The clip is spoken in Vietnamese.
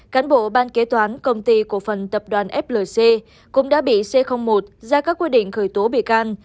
cán bộ ban kế toán công ty cổ phần tập đoàn flc cũng đã bị c một ra các quy định khởi tố bị can